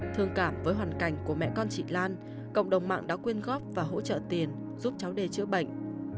thương cảm với hoàn cảnh của mẹ con chị lan cộng đồng mạng đã quyên góp và hỗ trợ tiền giúp cháu đê chữa bệnh